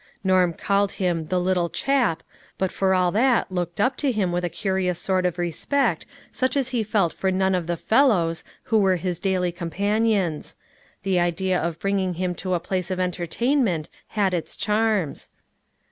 Norm called him the " little chap," but for all that looked up to him with a curious sort of re spect such as he felt for none of the " fellows " who were his daily companions; the idea of bringing him to a place of entertainment had its charms.